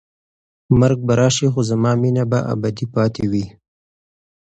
مرګ به راشي خو زما مینه به ابدي پاتې وي.